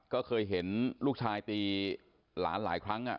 ก็เคยเห็นลูกชายตีหลานหลายครั้ง